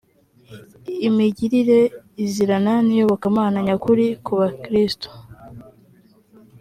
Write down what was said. imigirire izirana n’iyobokamana nyakuri kubakristo